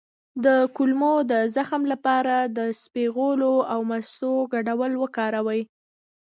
د کولمو د زخم لپاره د اسپغول او مستو ګډول وکاروئ